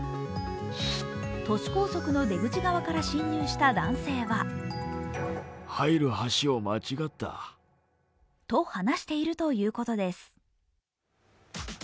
都市高速の出口側から進入した男性はと話しているということです。